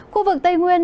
khu vực tây nguyên